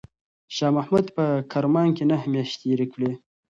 شاه محمود په کرمان کې نهه میاشتې تېرې کړې.